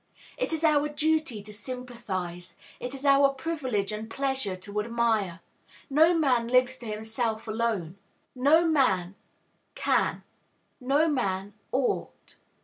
It is our duty to sympathize; it is our privilege and pleasure to admire. No man lives to himself alone; no man can; no man ought.